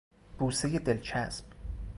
بوسهی دلچسب